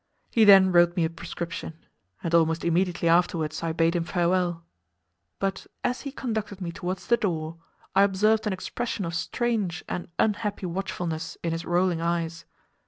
He then wrote me a prescription, and almost immediately afterwards I bade him farewell, but as he conducted me towards the door I observed an expression of strange and unhappy watchfulness in his rolling eyes.